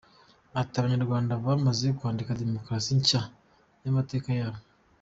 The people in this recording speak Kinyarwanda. Ati “Abanyarwanda bamaze kwandika demokarasi nshya y’amateka yabo.